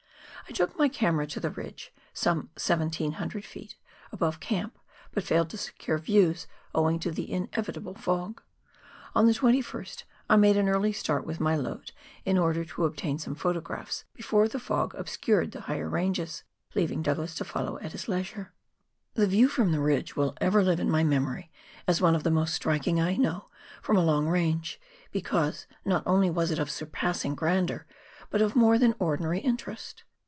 I took my camera to the ridge, some 1,700 ft. above camp, but failed to secure views owing to the inevitable fog. On the 21st I made an early start with my load, in order to obtain some photographs before the fog obscured the higher ranges, leaving Douglas to follow at his leisure. 88 PIONEER WORK IN THE ALPS OF NEW ZEALAND. The view from the ridge will ever live in my memory as one of the most striking I know from a long range, because, not only was it of surpassing grandeur, but of more than ordinary interest.